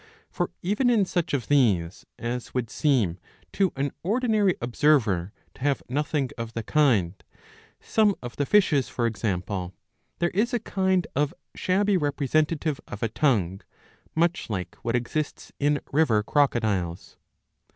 For even in such of these as would seem to an ordinary observer to have nothing of the kind, some of the fishes for example, there is a kind of shabby representative of a tongue,® much like what exists in river crocodiles.